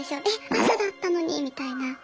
えっ朝だったのにみたいな。